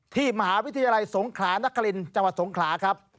ที่มหาวิทยาลัยสงขลานครินจังหวัดสงขลาครับ